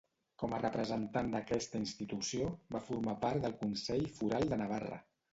Com a representant d'aquesta institució, va formar part del Consell Foral de Navarra.